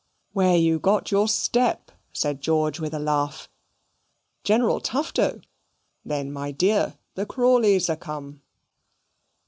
"Where you got your step," said George with a laugh. "General Tufto! Then, my dear, the Crawleys are come."